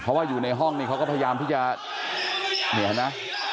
เพราะว่าอยู่ในห้องเนี่ยเขาก็พยายามที่จะเหนียวนะ